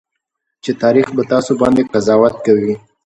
چې تاريخ به تاسو باندې قضاوت کوي.